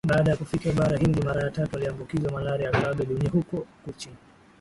Baada ya kufika bara hindi mara ya tatu aliambukizwa malaria akaaga dunia huko Cochin